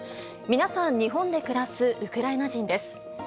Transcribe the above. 皆さん、日本で暮らすウクライナ人です。